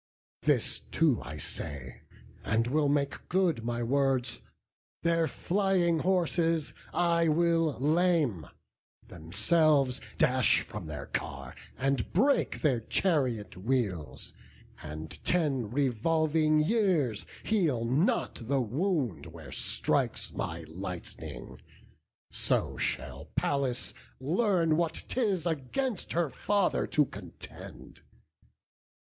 This too I say, and will make good my words: Their flying horses I will lame; themselves Dash from their car, and break their chariot wheels; And ten revolving years heal not the wound Where strikes my lightning; so shall Pallas learn What 'tis against her father to contend.